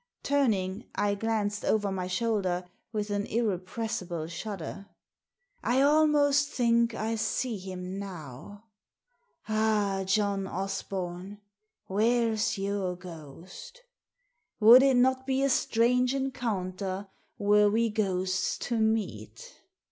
Turning, I glanced over my shoulder with an irrepressible shudder. "I almost think I see him now. Ah, John Osbom, where's your ghost? Would it not be a strange encounter were we ghosts to meet?